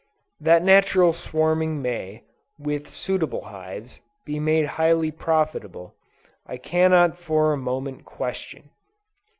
That Natural Swarming may, with suitable hives, be made highly profitable, I cannot for a moment question.